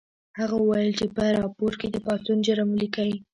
هغه وویل چې په راپور کې د پاڅون جرم ولیکئ